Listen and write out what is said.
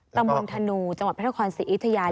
ตะมุนธนูจังหวัดพระเทศขวานศรีอิทยา